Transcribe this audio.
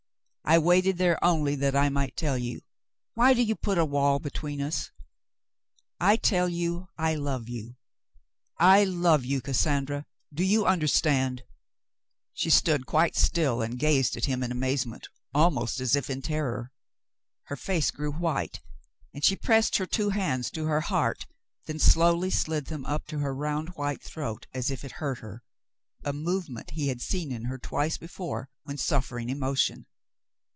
I waited there only that I might tell you. Why do you put a wall between us "^ I tell you I love you. I love you, Cassandra ; do you understand ?" She stood quite still and gazed at him in amazement, almost as if in terror. Her face grew white, and she pressed her two hands on her heart, then slowly slid them up to her round white throat as if it hurt her — a move ment he had seen in her twice before, when suffering emotion.